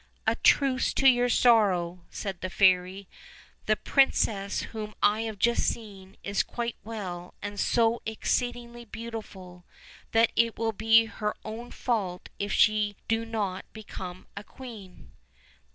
"A truce to your sorrow," said the fairy; "the prin cess, whom I have just seen, is quite well, and so exceed ingly beautiful that it will be her own fault if she do not become a queen."